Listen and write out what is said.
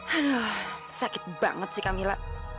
aduh sakit banget sih kamila